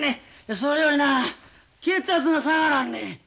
それよりな血圧が下がらんねん。